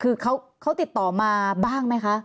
คือเขาติดต่อมาบ้างไหมคะ